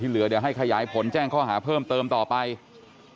แต่ตำรวจบอกว่าเบื้องต้นก็ต้องเอาไปบำบัดก่อน